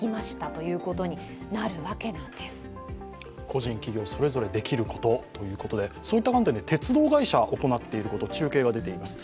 個人・企業、それぞれできることということでそういった観点で鉄道会社が行っていること、中継が出ています。